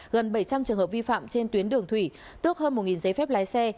gần bảy trăm linh trường hợp vi phạm trên tuyến đường thủy tước hơn một giấy phép lái xe